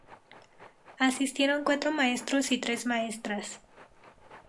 Asistieron cuatro maestros y tres maestras.